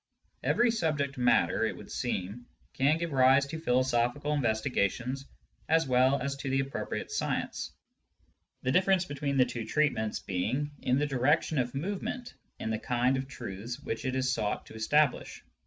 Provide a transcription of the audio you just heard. Every subject matter, it would seem, can give rise to philosophical investigations as well as to the appropriate science, the diflFerence between the two treatments being in the direction of movement and in the kind of truths which it is sought to establish.